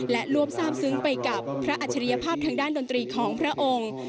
และร่วมทราบซึ้งไปกับพระอัจฉริยภาพทางด้านดนตรีของพระองค์